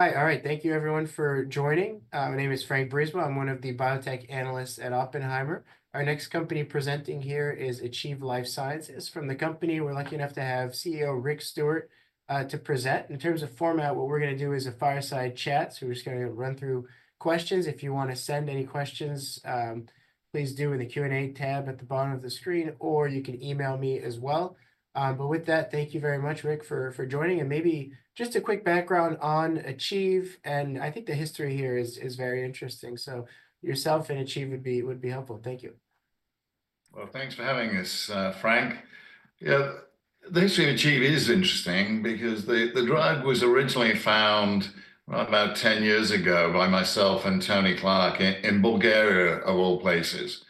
All right, thank you, everyone, for joining. My name is Frank Briswell. I'm one of the biotech analysts at Oppenheimer. Our next company presenting here is Achieve Life Sciences. From the company, we're lucky enough to have CEO Rick Stewart to present. In terms of format, what we're going to do is a fireside chat. We're just going to run through questions. If you want to send any questions, please do in the Q&A tab at the bottom of the screen, or you can email me as well. With that, thank you very much, Rick, for joining. Maybe just a quick background on Achieve, and I think the history here is very interesting. Yourself and Achieve would be helpful. Thank you. Thanks for having us, Frank. The history of Achieve is interesting because the drug was originally found about 10 years ago by myself and Tony Clarke in Bulgaria, of all places.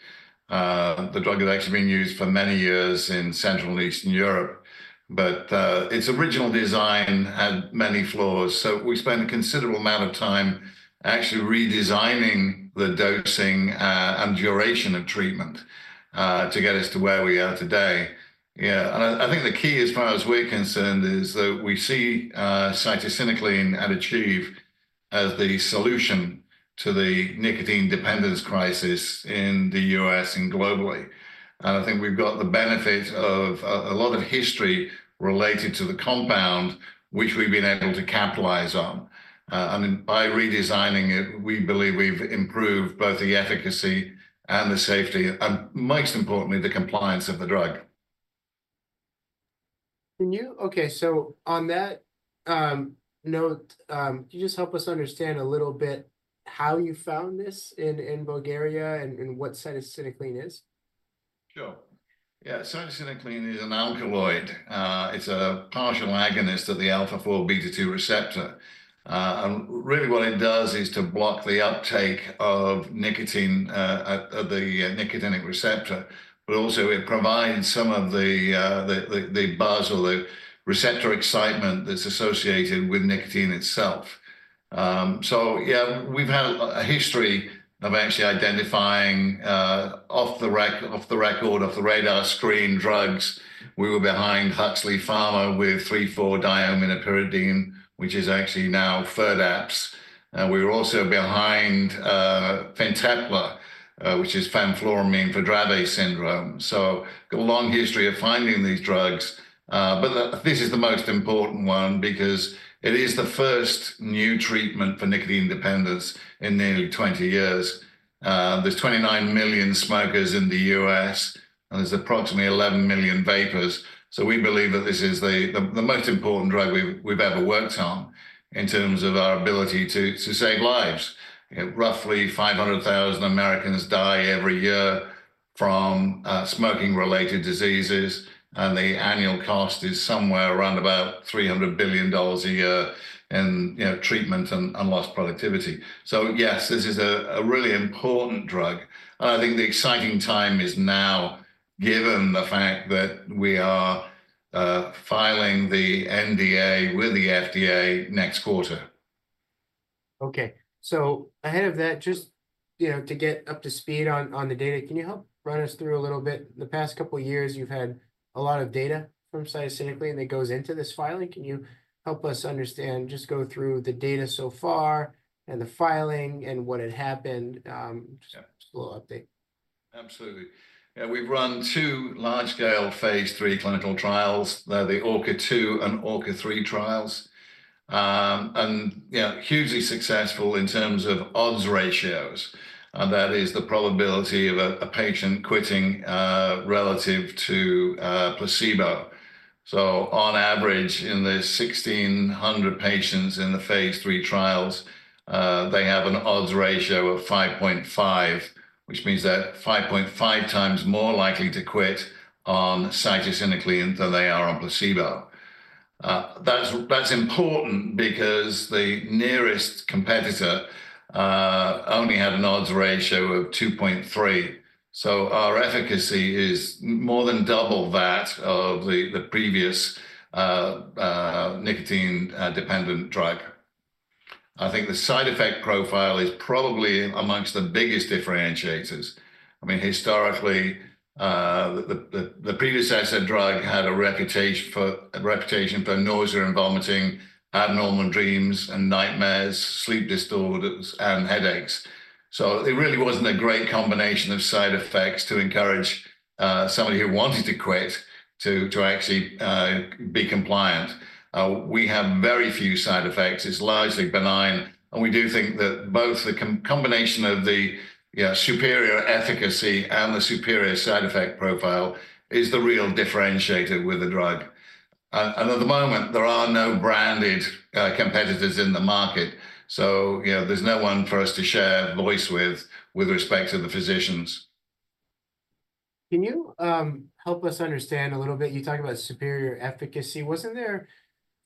The drug has actually been used for many years in Central and Eastern Europe. Its original design had many flaws. We spent a considerable amount of time actually redesigning the dosing and duration of treatment to get us to where we are today. I think the key, as far as we're concerned, is that we see cytisinicline and Achieve as the solution to the nicotine dependence crisis in the U.S. and globally. I think we've got the benefit of a lot of history related to the compound, which we've been able to capitalize on. By redesigning it, we believe we've improved both the efficacy and the safety, and most importantly, the compliance of the drug. Can you? Okay, on that note, can you just help us understand a little bit how you found this in Bulgaria and what cytisinicline is? Sure. Yeah, cytisinicline is an alkaloid. It's a partial agonist of the alpha-4 beta-2 receptor. Really, what it does is to block the uptake of nicotine, of the nicotinic receptor, but also it provides some of the buzz or the receptor excitement that's associated with nicotine itself. Yeah, we've had a history of actually identifying off the record, off the radar screen drugs. We were behind Huxley Pharma with 3,4-diaminopyridine, which is actually now Firdapse. We were also behind Fintepla, which is fenfluramine for Dravet syndrome. We've got a long history of finding these drugs. This is the most important one because it is the first new treatment for nicotine dependence in nearly 20 years. There are 29 million smokers in the U.S., and there's approximately 11 million vapers. We believe that this is the most important drug we've ever worked on in terms of our ability to save lives. Roughly 500,000 Americans die every year from smoking-related diseases. The annual cost is somewhere around about $300 billion a year in treatment and lost productivity. Yes, this is a really important drug. I think the exciting time is now, given the fact that we are filing the NDA with the FDA next quarter. Okay, ahead of that, just to get up to speed on the data, can you help run us through a little bit? In the past couple of years, you've had a lot of data from cytisinicline that goes into this filing. Can you help us understand, just go through the data so far and the filing and what had happened? Just a little update. Absolutely. Yeah, we've run two large-scale phase 3 clinical trials, the ORCA-2 and ORCA-3 trials, and hugely successful in terms of odds ratios. That is, the probability of a patient quitting relative to placebo. On average, in the 1,600 patients in the phase 3 trials, they have an odds ratio of 5.5, which means they're 5.5 times more likely to quit on cytisinicline than they are on placebo. That's important because the nearest competitor only had an odds ratio of 2.3. Our efficacy is more than double that of the previous nicotine-dependent drug. I think the side effect profile is probably amongst the biggest differentiators. I mean, historically, the predecessor drug had a reputation for nausea and vomiting, abnormal dreams and nightmares, sleep disturbances, and headaches. It really wasn't a great combination of side effects to encourage somebody who wanted to quit to actually be compliant. We have very few side effects. It's largely benign. We do think that both the combination of the superior efficacy and the superior side effect profile is the real differentiator with the drug. At the moment, there are no branded competitors in the market. There is no one for us to share voice with with respect to the physicians. Can you help us understand a little bit? You talked about superior efficacy. Wasn't there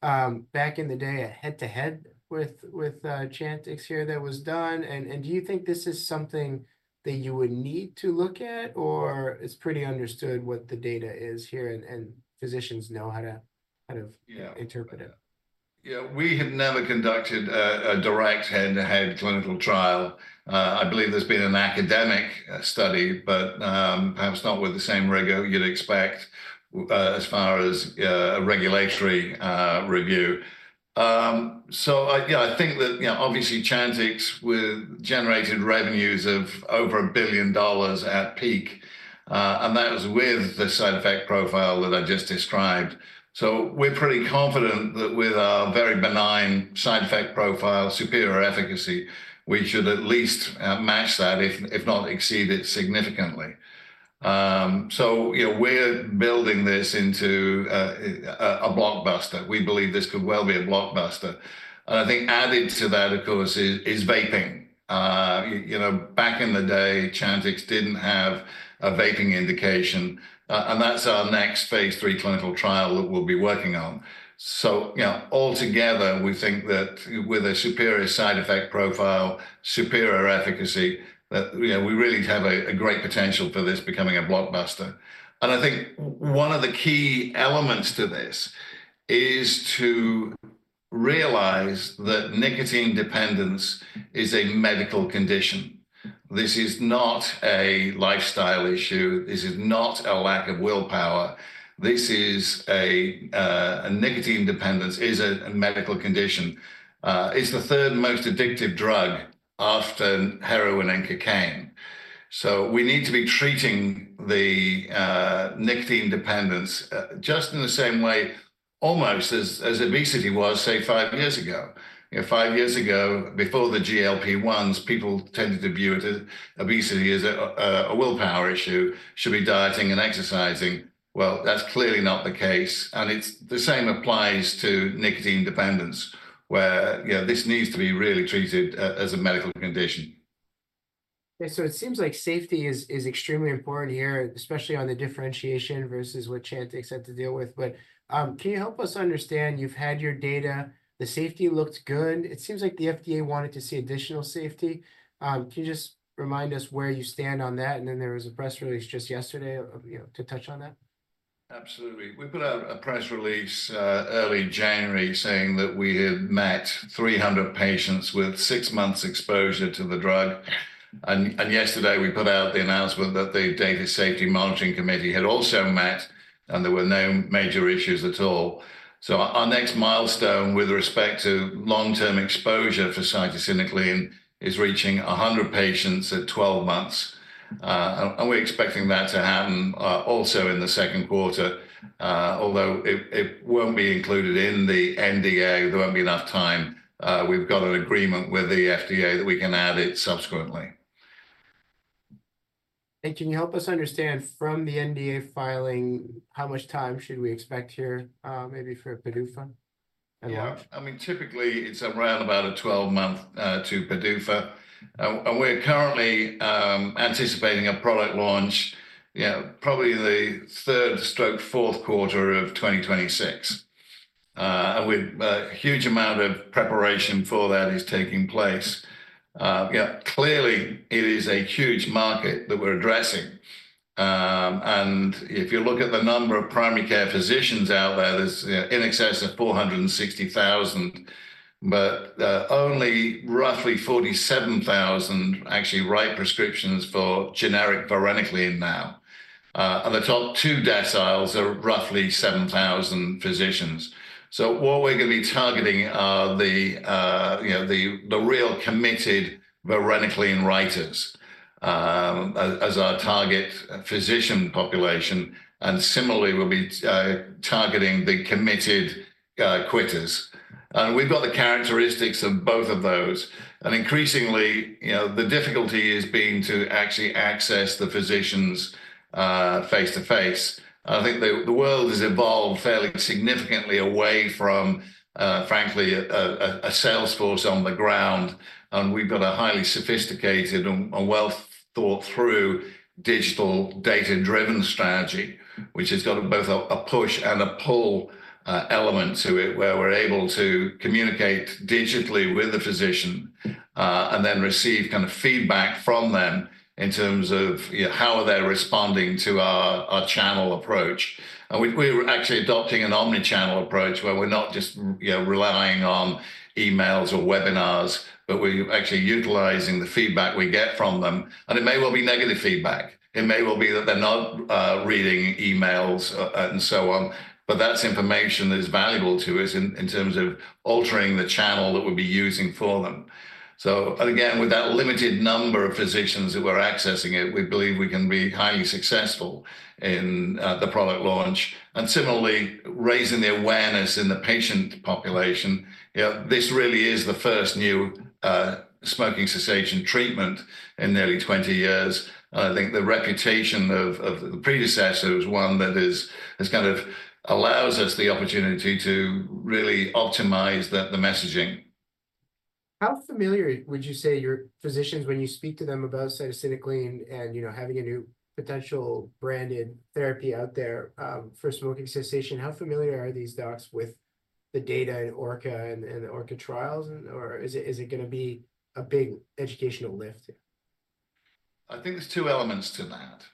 back in the day a head-to-head with Chantix here that was done? Do you think this is something that you would need to look at, or it's pretty understood what the data is here and physicians know how to kind of interpret it? Yeah, we have never conducted a direct head-to-head clinical trial. I believe there's been an academic study, but perhaps not with the same rigor you'd expect as far as regulatory review. Yeah, I think that obviously Chantix generated revenues of over a billion dollars at peak. That was with the side effect profile that I just described. We're pretty confident that with our very benign side effect profile, superior efficacy, we should at least match that, if not exceed it significantly. We're building this into a blockbuster. We believe this could well be a blockbuster. I think added to that, of course, is vaping. Back in the day, Chantix didn't have a vaping indication. That's our next phase 3 clinical trial that we'll be working on. Altogether, we think that with a superior side effect profile, superior efficacy, that we really have a great potential for this becoming a blockbuster. I think one of the key elements to this is to realize that nicotine dependence is a medical condition. This is not a lifestyle issue. This is not a lack of willpower. This is a nicotine dependence is a medical condition. It's the third most addictive drug after heroin and cocaine. We need to be treating the nicotine dependence just in the same way, almost as obesity was, say, five years ago. Five years ago, before the GLP-1s, people tended to view obesity as a willpower issue, should be dieting and exercising. That's clearly not the case. The same applies to nicotine dependence, where this needs to be really treated as a medical condition. Yeah, so it seems like safety is extremely important here, especially on the differentiation versus what Chantix had to deal with. Can you help us understand? You've had your data. The safety looked good. It seems like the FDA wanted to see additional safety. Can you just remind us where you stand on that? There was a press release just yesterday to touch on that. Absolutely. We put out a press release early in January saying that we had met 300 patients with six months exposure to the drug. Yesterday, we put out the announcement that the Data Safety Monitoring Committee had also met, and there were no major issues at all. Our next milestone with respect to long-term exposure for cytisinicline is reaching 100 patients at 12 months. We're expecting that to happen also in the second quarter, although it won't be included in the NDA. There won't be enough time. We've got an agreement with the FDA that we can add it subsequently. Can you help us understand from the NDA filing, how much time should we expect here, maybe for PDUFA and launch? Yeah, I mean, typically, it's around about a 12-month to PDUFA. We're currently anticipating a product launch probably in the third to fourth quarter of 2026. A huge amount of preparation for that is taking place. Clearly, it is a huge market that we're addressing. If you look at the number of primary care physicians out there, there's in excess of 460,000, but only roughly 47,000 actually write prescriptions for generic varenicline now. The top two deciles are roughly 7,000 physicians. What we're going to be targeting are the real committed varenicline writers as our target physician population. Similarly, we'll be targeting the committed quitters. We've got the characteristics of both of those. Increasingly, the difficulty is being to actually access the physicians face to face. I think the world has evolved fairly significantly away from, frankly, a salesforce on the ground. We have a highly sophisticated and well-thought-through digital data-driven strategy, which has both a push and a pull element to it, where we're able to communicate digitally with the physician and then receive kind of feedback from them in terms of how they're responding to our channel approach. We're actually adopting an omnichannel approach where we're not just relying on emails or webinars, but we're actually utilizing the feedback we get from them. It may well be negative feedback. It may well be that they're not reading emails and so on. That's information that is valuable to us in terms of altering the channel that we'll be using for them. Again, with that limited number of physicians that we're accessing, we believe we can be highly successful in the product launch. Similarly, raising the awareness in the patient population. This really is the first new smoking cessation treatment in nearly 20 years. I think the reputation of the predecessor is one that kind of allows us the opportunity to really optimize the messaging. How familiar would you say your physicians, when you speak to them about cytisinicline and having a new potential branded therapy out there for smoking cessation, how familiar are these docs with the data and ORCA and the ORCA trials? Or is it going to be a big educational lift? I think there's two elements to that.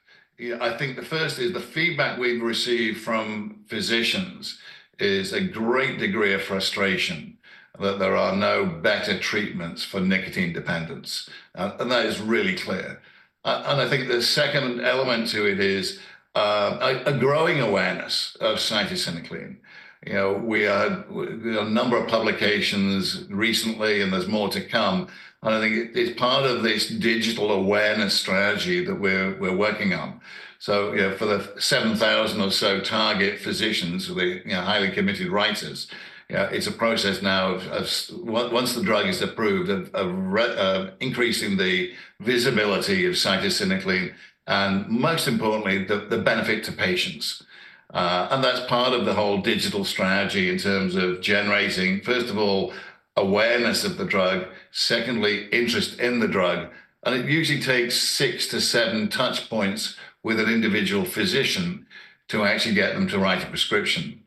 I think the first is the feedback we've received from physicians is a great degree of frustration that there are no better treatments for nicotine dependence. That is really clear. I think the second element to it is a growing awareness of cytisinicline. We had a number of publications recently, and there's more to come. I think it's part of this digital awareness strategy that we're working on. For the 7,000 or so target physicians, highly committed writers, it's a process now of, once the drug is approved, increasing the visibility of cytisinicline and, most importantly, the benefit to patients. That's part of the whole digital strategy in terms of generating, first of all, awareness of the drug. Secondly, interest in the drug. It usually takes six to seven touch points with an individual physician to actually get them to write a prescription.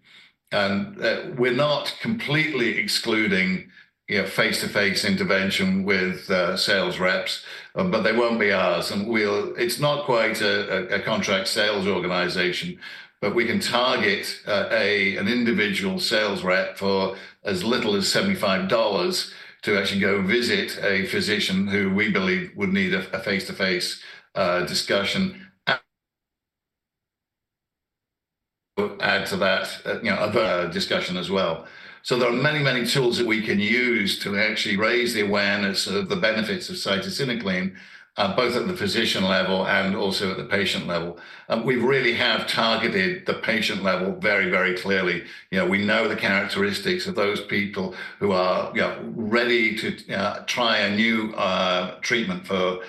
We are not completely excluding face-to-face intervention with sales reps, but they will not be ours. It is not quite a contract sales organization, but we can target an individual sales rep for as little as $75 to actually go visit a physician who we believe would need a face-to-face discussion. Add to that a discussion as well. There are many, many tools that we can use to actually raise the awareness of the benefits of cytisinicline, both at the physician level and also at the patient level. We really have targeted the patient level very, very clearly. We know the characteristics of those people who are ready to try a new treatment for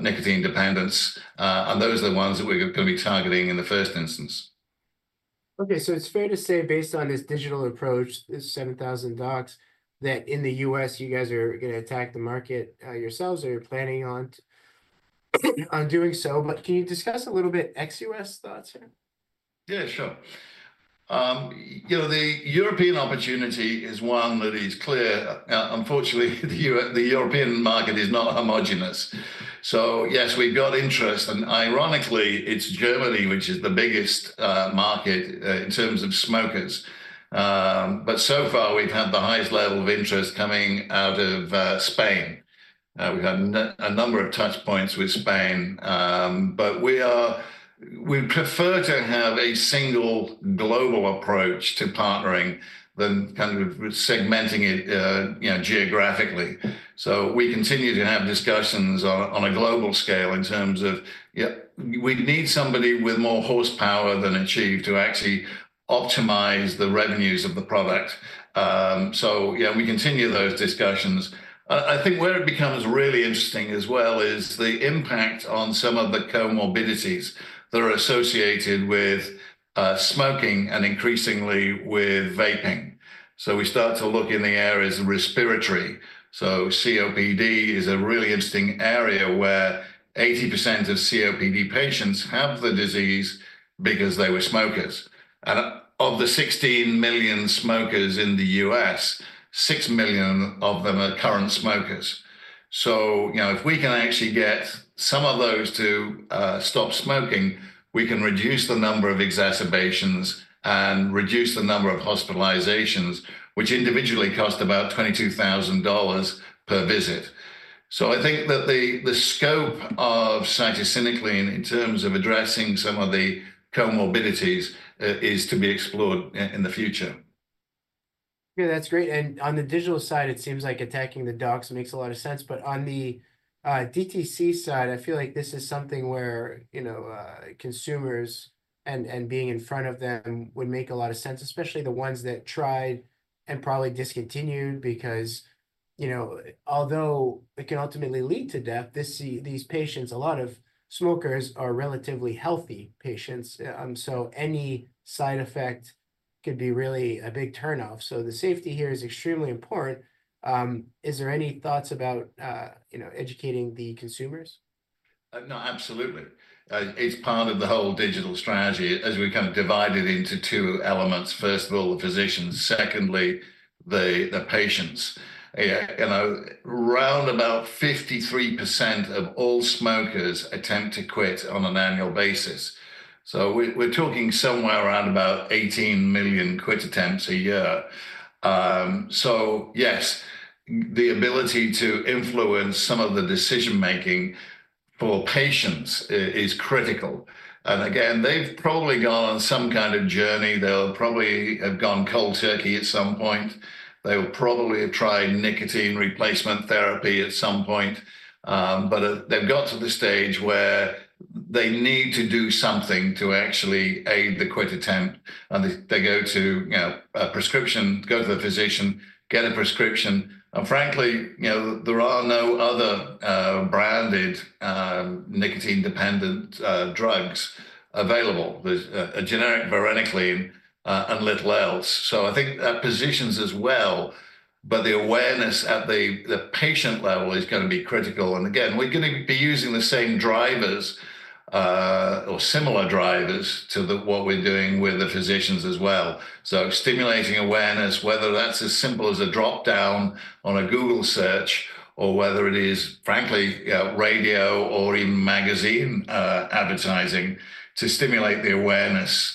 nicotine dependence. Those are the ones that we're going to be targeting in the first instance. Okay, so it's fair to say, based on this digital approach, 7,000 docs, that in the U.S., you guys are going to attack the market yourselves or you're planning on doing so. Can you discuss a little bit XUS thoughts here? Yeah, sure. The European opportunity is one that is clear. Unfortunately, the European market is not homogenous. Yes, we've got interest. Ironically, it's Germany, which is the biggest market in terms of smokers. So far, we've had the highest level of interest coming out of Spain. We've had a number of touch points with Spain. We prefer to have a single global approach to partnering than kind of segmenting it geographically. We continue to have discussions on a global scale in terms of we need somebody with more horsepower than Achieve to actually optimize the revenues of the product. Yeah, we continue those discussions. I think where it becomes really interesting as well is the impact on some of the comorbidities that are associated with smoking and increasingly with vaping. We start to look in the areas of respiratory. COPD is a really interesting area where 80% of COPD patients have the disease because they were smokers. Of the 16 million smokers in the U.S., 6 million of them are current smokers. If we can actually get some of those to stop smoking, we can reduce the number of exacerbations and reduce the number of hospitalizations, which individually cost about $22,000 per visit. I think that the scope of cytisinicline in terms of addressing some of the comorbidities is to be explored in the future. Yeah, that's great. On the digital side, it seems like attacking the docs makes a lot of sense. On the DTC side, I feel like this is something where consumers and being in front of them would make a lot of sense, especially the ones that tried and probably discontinued because although it can ultimately lead to death, these patients, a lot of smokers, are relatively healthy patients. Any side effect could be really a big turnoff. The safety here is extremely important. Is there any thoughts about educating the consumers? No, absolutely. It's part of the whole digital strategy as we kind of divide it into two elements. First of all, the physicians. Secondly, the patients. Round about 53% of all smokers attempt to quit on an annual basis. We're talking somewhere around about 18 million quit attempts a year. Yes, the ability to influence some of the decision-making for patients is critical. Again, they've probably gone on some kind of journey. They'll probably have gone cold turkey at some point. They will probably have tried nicotine replacement therapy at some point. They've got to the stage where they need to do something to actually aid the quit attempt. They go to a prescription, go to the physician, get a prescription. Frankly, there are no other branded nicotine-dependent drugs available, a generic varenicline and little else. I think that positions as well. The awareness at the patient level is going to be critical. Again, we're going to be using the same drivers or similar drivers to what we're doing with the physicians as well. Stimulating awareness, whether that's as simple as a dropdown on a Google search or whether it is, frankly, radio or even magazine advertising to stimulate the awareness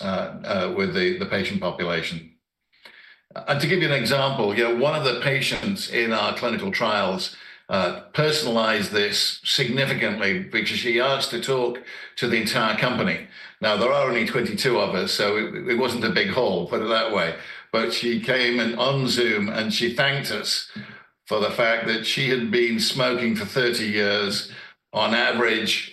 with the patient population. To give you an example, one of the patients in our clinical trials personalized this significantly because she asked to talk to the entire company. There are only 22 of us, so it wasn't a big hall, put it that way. She came on Zoom, and she thanked us for the fact that she had been smoking for 30 years on average,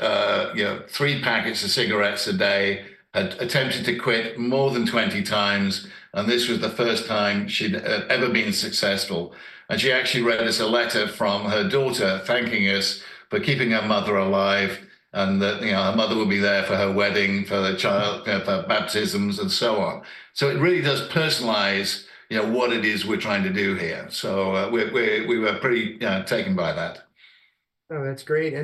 three packets of cigarettes a day, had attempted to quit more than 20 times. This was the first time she'd ever been successful. She actually read us a letter from her daughter thanking us for keeping her mother alive and that her mother will be there for her wedding, for the baptisms, and so on. It really does personalize what it is we're trying to do here. We were pretty taken by that. Oh, that's great.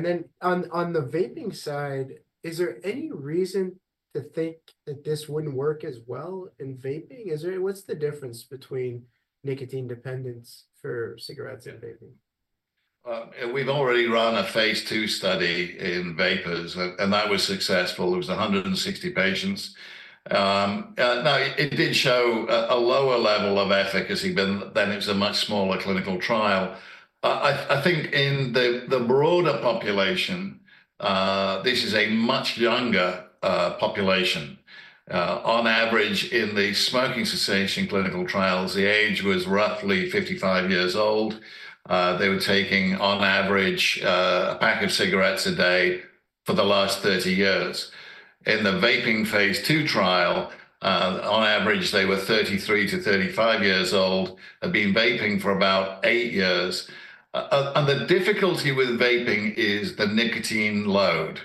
On the vaping side, is there any reason to think that this wouldn't work as well in vaping? What's the difference between nicotine dependence for cigarettes and vaping? We've already run a phase two study in vapers, and that was successful. It was 160 patients. Now, it did show a lower level of efficacy than it was a much smaller clinical trial. I think in the broader population, this is a much younger population. On average, in the smoking cessation clinical trials, the age was roughly 55 years old. They were taking, on average, a pack of cigarettes a day for the last 30 years. In the vaping phase two trial, on average, they were 33-35 years old, had been vaping for about eight years. The difficulty with vaping is the nicotine load.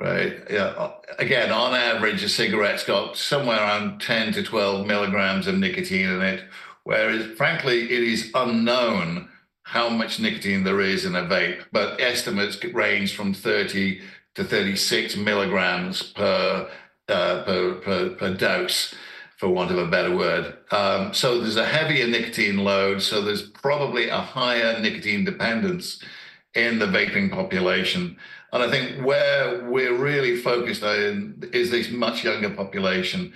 Again, on average, a cigarette's got somewhere around 10-12 milligrams of nicotine in it, whereas, frankly, it is unknown how much nicotine there is in a vape. Estimates range from 30-36 milligrams per dose, for want of a better word. There's a heavier nicotine load. There's probably a higher nicotine dependence in the vaping population. I think where we're really focused on is this much younger population.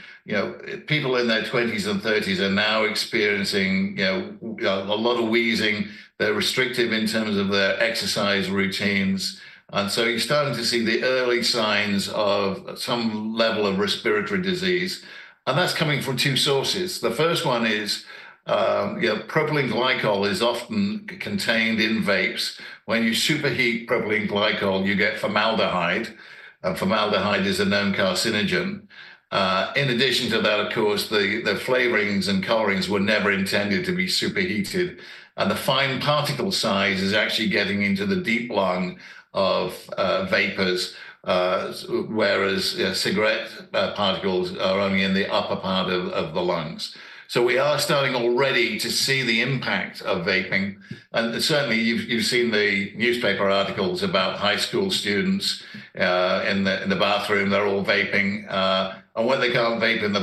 People in their 20s and 30s are now experiencing a lot of wheezing. They're restrictive in terms of their exercise routines. You're starting to see the early signs of some level of respiratory disease. That's coming from two sources. The first one is propylene glycol is often contained in vapes. When you superheat propylene glycol, you get formaldehyde. Formaldehyde is a known carcinogen. In addition to that, of course, the flavorings and colorings were never intended to be superheated. The fine particle size is actually getting into the deep lung of vapors, whereas cigarette particles are only in the upper part of the lungs. We are starting already to see the impact of vaping. Certainly, you've seen the newspaper articles about high school students in the bathroom. They're all vaping. When they can't vape in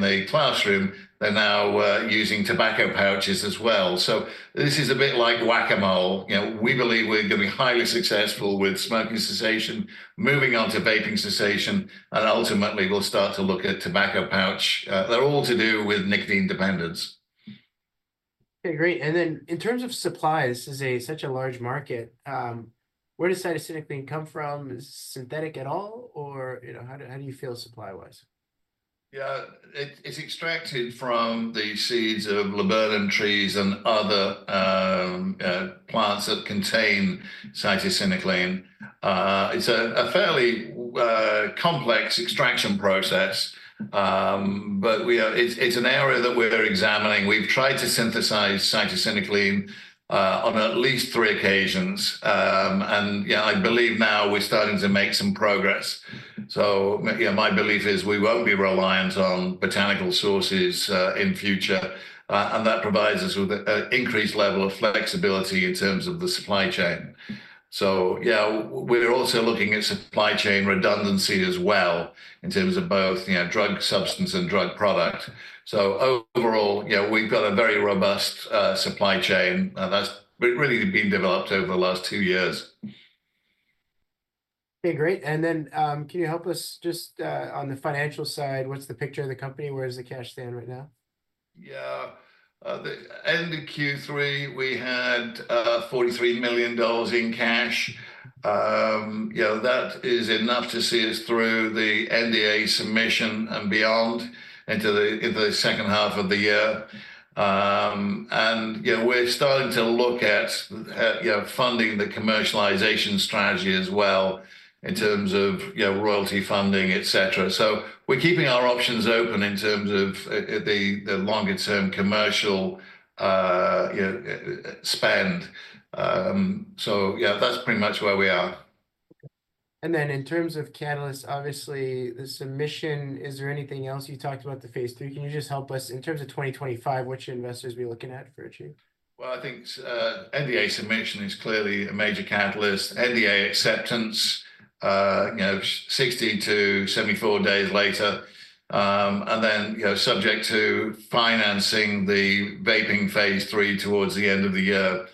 the classroom, they're now using tobacco pouches as well. This is a bit like whack-a-mole. We believe we're going to be highly successful with smoking cessation, moving on to vaping cessation. Ultimately, we'll start to look at tobacco pouch. They're all to do with nicotine dependence. Okay, great. In terms of supply, this is such a large market. Where does cytisinicline come from? Is it synthetic at all? Or how do you feel supply-wise? Yeah, it's extracted from the seeds of laburnum trees and other plants that contain cytisinicline. It's a fairly complex extraction process. It's an area that we're examining. We've tried to synthesize cytisinicline on at least three occasions. I believe now we're starting to make some progress. My belief is we won't be reliant on botanical sources in future. That provides us with an increased level of flexibility in terms of the supply chain. Yeah, we're also looking at supply chain redundancy as well in terms of both drug substance and drug product. Overall, we've got a very robust supply chain. That's really been developed over the last two years. Okay, great. Can you help us just on the financial side? What's the picture of the company? Where does the cash stand right now? Yeah, end of Q3, we had $43 million in cash. That is enough to see us through the NDA submission and beyond into the second half of the year. We are starting to look at funding the commercialization strategy as well in terms of royalty funding, etc. We are keeping our options open in terms of the longer-term commercial spend. Yeah, that is pretty much where we are. In terms of catalysts, obviously, the submission, is there anything else? You talked about the phase three. Can you just help us in terms of 2025, what should investors be looking at for Achieve? I think NDA submission is clearly a major catalyst. NDA acceptance, 60-74 days later. Subject to financing, the vaping phase three towards the end of the year.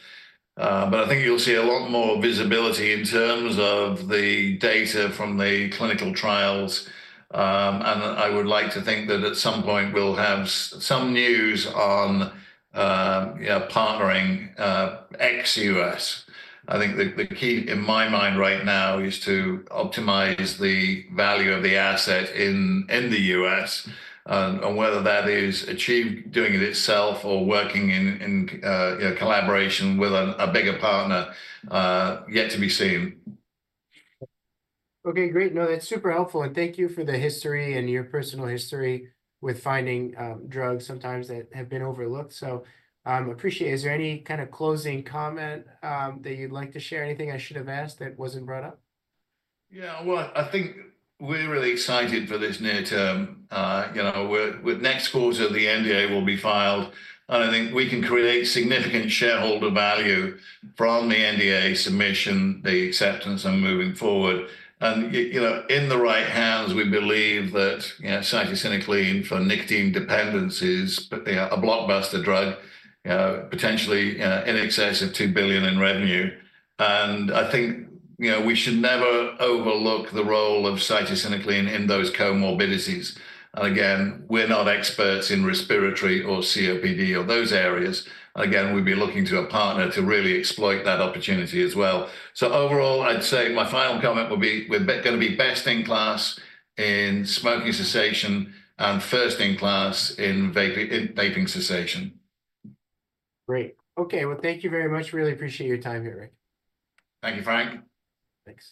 I think you'll see a lot more visibility in terms of the data from the clinical trials. I would like to think that at some point, we'll have some news on partnering XUS. I think the key in my mind right now is to optimize the value of the asset in the US and whether that is achieved doing it itself or working in collaboration with a bigger partner. Yet to be seen. Okay, great. No, that's super helpful. Thank you for the history and your personal history with finding drugs sometimes that have been overlooked. I appreciate it. Is there any kind of closing comment that you'd like to share? Anything I should have asked that wasn't brought up? Yeah, I think we're really excited for this near term. With next quarter, the NDA will be filed. I think we can create significant shareholder value from the NDA submission, the acceptance, and moving forward. In the right hands, we believe that cytisinicline for nicotine dependence is a blockbuster drug, potentially in excess of $2 billion in revenue. I think we should never overlook the role of cytisinicline in those comorbidities. Again, we're not experts in respiratory or COPD or those areas. Again, we'd be looking to a partner to really exploit that opportunity as well. Overall, I'd say my final comment will be we're going to be best in class in smoking cessation and first in class in vaping cessation. Great. Okay, thank you very much. Really appreciate your time here, Rick. Thank you, Frank. Thanks.